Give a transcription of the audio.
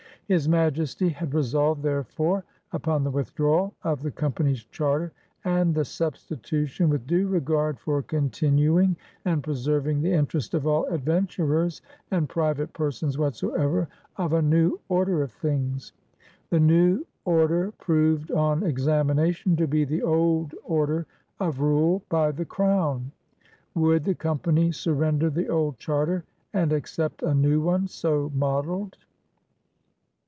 His Majesty had resolved therefore upon the withdrawal of the Company's charter and the substitution, *^with due regard for continuing and preserving the Interest of all Adventurers and private persons whatsoever, " of a new order of things. The new order proved, on examination, to be the old order of rule by the Crown. Would the Company sur render the old charter and accept a new one so modeled?